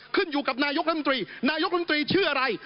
ขึ้นอยู่กับนายกรัฐมนตรีนายกรมตรีชื่ออะไร